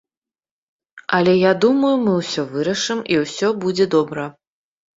Але я думаю, мы ўсё вырашым, і ўсё будзе добра.